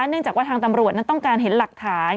เนื่องจากว่าทางตำรวจนั้นต้องการเห็นหลักฐาน